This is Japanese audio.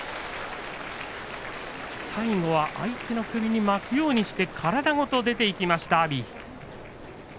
最後は相手の首に巻くようにして体ごと出ていきました、阿炎。